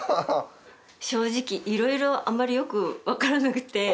正直いろいろあんまりよく分からなくて。